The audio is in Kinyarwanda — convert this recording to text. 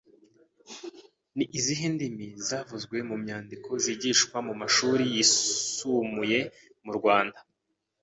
Ni izihe ndimi zavuzwe mu mwandiko zigishwa mu mashuri yisumuye mu Rwanda